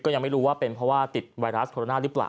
ยังไม่รู้ว่าเป็นเพราะว่าติดไวรัสโคโรนาหรือเปล่า